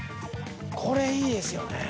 これいいですよね。